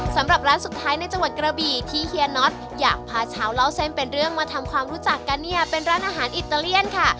สำหรับร้านสุดท้ายในจังหวัดกระบีที่เฮียน็อตอยากพาเช้าเล่าเส้นเป็นเรื่องมาทำความรู้จักกันเนี่ยเป็นร้านอาหารอิตาเลียนค่ะ